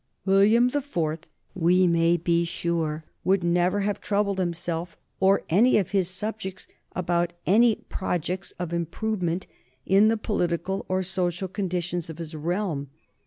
William the Fourth, we may be sure, would never have troubled himself or any of his subjects about any projects of improvement in the political or social conditions of his realm.